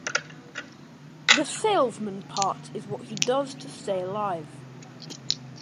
The salesman part is what he does to stay alive.